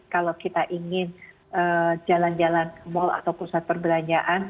kalau kita ingin jalan jalan ke mal atau pusat perbelanjaan